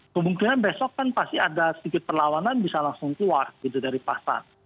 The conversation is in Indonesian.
kemungkinan besok kan pasti ada sedikit perlawanan bisa langsung keluar gitu dari pasar